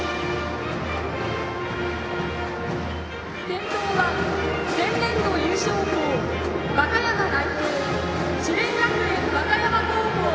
先頭は前年度優勝校和歌山代表智弁学園和歌山高校。